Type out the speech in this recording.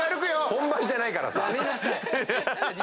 本番じゃないからさ。